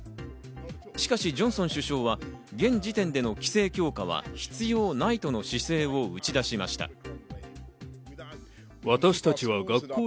しかしジョンソン首相は現時点での規制強化は必要ないとの姿勢を打ち出しました。